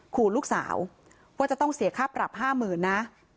ขูลลูกสาวว่าจะต้องเสียค่าปรับห้าหมื่นนะ